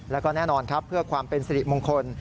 แล้วก็แน่นอนครับเพื่อความเป็นสิริมงคล